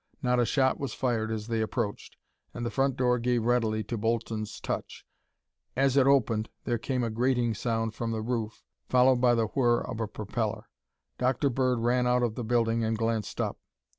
Not a shot was fired as they approached, and the front door gave readily to Bolton's touch. At it opened there came a grating sound from the roof followed by the whir of a propeller. Dr. Bird ran out of the building and glanced up.